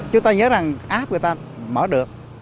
chúng ta nhớ rằng app người ta mở được